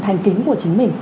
thành kính của chính mình